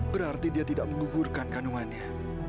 berarti dia tidak menggugurkan kandungannya